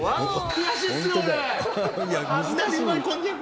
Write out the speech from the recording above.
悔しいですよ、俺。